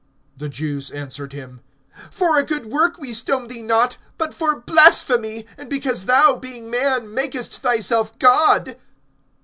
(33)The Jews answered him: For a good work we stone thee not, but for blasphemy, and because thou, being man, makest thyself God.